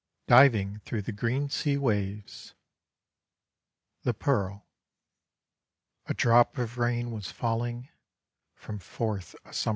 DIVING THROUGH THE GREEN SEA WAVES THE PEARL A Drop of Rain was falling From forth a sum.